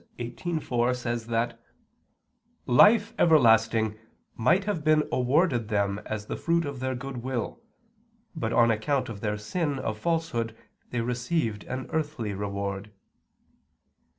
xviii, 4) says that "life everlasting might have been awarded them as the fruit of their goodwill, but on account of their sin of falsehood they received an earthly reward."